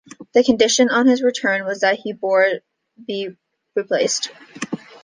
The condition on his return was that the board be replaced.